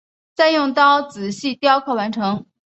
再用刀仔细雕刻至完成。